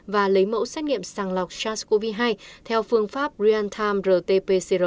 và lấy mẫu xét nghiệm sàng lọc sars cov hai theo phương pháp riantam rt pcr